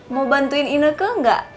mau bantuin ine ke nggak